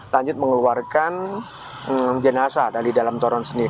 lanjut mengeluarkan jenasa dari dalam torren sendiri